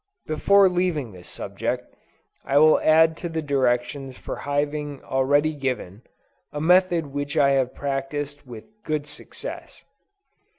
Before leaving this subject, I will add to the directions for hiving already given, a method which I have practiced with good success.